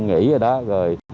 nghỉ rồi đó rồi